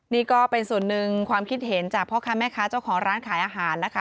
นี่ก็เป็นส่วนหนึ่งความคิดเห็นจากพ่อค้าแม่ค้าเจ้าของร้านขายอาหารนะคะ